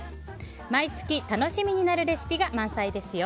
毎月楽しみになるレシピが満載ですよ。